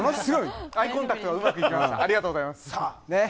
アイコンタクトがうまくいきました。